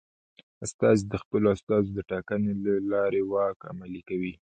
استازي د خپلو استازو د ټاکنې له لارې واک عملي کوي.